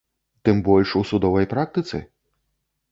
Тым больш, у судовай практыцы?